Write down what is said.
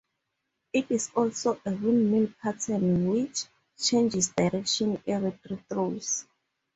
It is also a windmill pattern which changes direction every three throws.